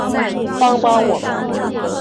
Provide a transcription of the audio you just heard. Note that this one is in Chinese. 帮帮我们